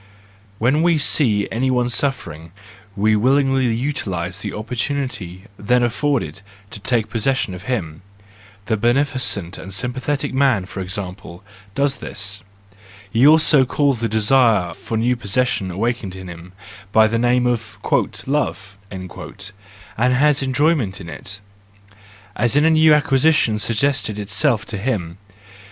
When we see any one suffering, we willingly utilise the opportunity then afforded to take posses¬ sion of him; the beneficent and sympathetic man, for example, does this ; he also calls the desire for new possession awakened in him, by the name of "love," and has enjoyment in it, as in a new acquisition suggesting itself to him.